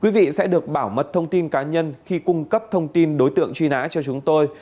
quý vị sẽ được bảo mật thông tin cá nhân khi cung cấp thông tin đối tượng truy nã cho chúng tôi